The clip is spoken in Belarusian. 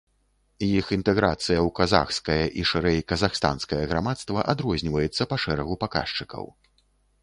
Іх інтэграцыя ў казахскае і, шырэй, казахстанскае грамадства адрозніваецца па шэрагу паказчыкаў.